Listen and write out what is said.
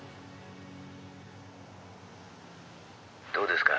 「どうですか？